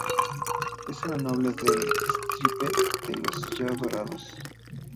Es una noble de la estirpe de los yao dorados.